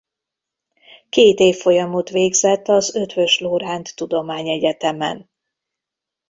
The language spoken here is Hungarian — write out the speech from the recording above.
Két évfolyamot végzett az Eötvös Loránd Tudományegyetemen.